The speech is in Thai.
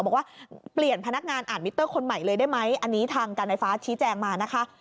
บอกว่าเปลี่ยนพนักงานอ่านมิเตอร์คนใหม่เลยได้ไหมอันนี้ทางการไฟฟ้าชี้แจงมานะคะ